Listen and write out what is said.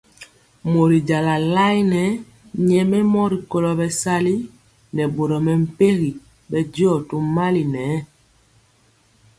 Mori jala lae nyɛmemɔ rikolo bɛsali nɛ boro mɛmpegi bɛndiɔ tomali nɛ.